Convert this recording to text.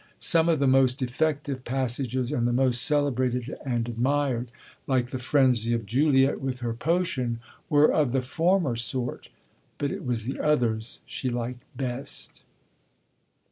Some of the most effective passages and the most celebrated and admired, like the frenzy of Juliet with her potion, were of the former sort; but it was the others she liked best.